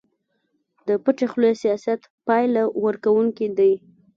د پټې خولې سياست پايله ورکوونکی دی.